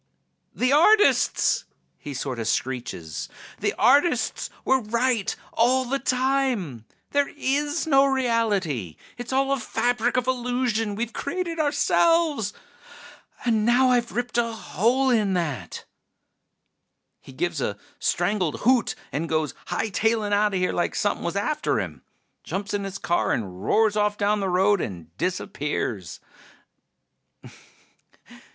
"The artists!" he sorta screeches. "The artists were right all the time ... there is no reality! It's all a fabric of illusion we've created ourselves! And now I've ripped a hole in that!" He gives a strangled hoot and goes hightailin' outta here like somepin' was after him. Jumps in his car and roars off down the road and disappears.